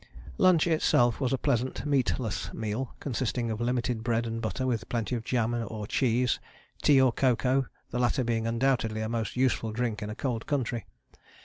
Lunch itself was a pleasant meatless meal, consisting of limited bread and butter with plenty of jam or cheese, tea or cocoa, the latter being undoubtedly a most useful drink in a cold country.